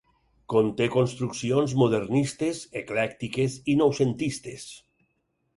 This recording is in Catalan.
Conté construccions modernistes, eclèctiques i noucentistes.